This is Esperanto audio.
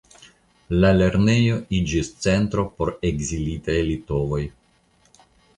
La lernejo iĝis centro por ekzilitaj litovoj.